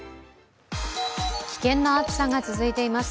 危険な暑さが続いています。